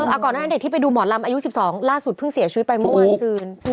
ก่อนหน้านั้นเด็กที่ไปดูหมอลำอายุ๑๒ล่าสุดเพิ่งเสียชีวิตไปเมื่อวานซืน